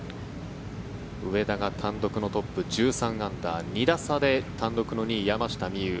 上田が単独のトップ１３アンダー２打差で単独の２位山下美夢有。